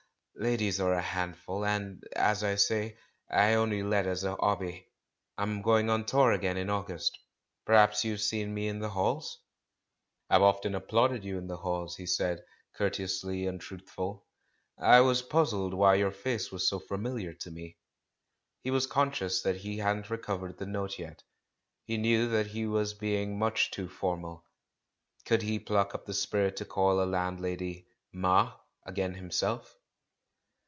Ladies are a handful, and, as I saj% I only let as a 'obby. I'm going on tour again in August. Perhaps you've seen me in the Halls?" "I've often applauded you in the Halls," he said, courteously untruthful; "I was puzzled why your face was so familiar to me." He was con scious that he hadn't recovered the note yet, he knew that he was being much too formal. Could he pluck up the spirit to call a landlady "Ma" again himself?